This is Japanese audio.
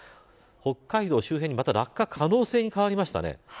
北海道周辺にまた落下可能性に変わりました。